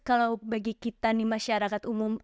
kalau bagi kita nih masyarakat umum